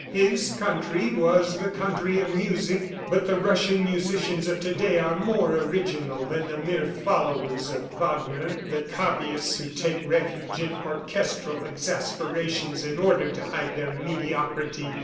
... His country was the country of music, but the Russian musicians of to day are more original than the mere followers of Wagner, the copyists who take refuge in orchestral exasperations in order to hide their mediocrity.